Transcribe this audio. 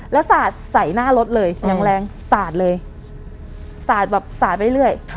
แล้วสาดใส่หน้ารถเลยอย่างแรงสาดเลยสาดแบบสาดไปเรื่อย